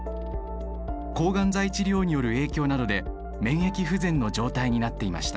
抗がん剤治療による影響などで免疫不全の状態になっていました。